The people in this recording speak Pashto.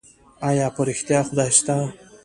ايا په رښتيا خدای سته؟